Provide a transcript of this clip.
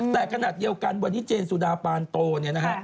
แต่ขณะเดียวกันวันนี้เจนสุดาปานโตเนี่ยนะฮะ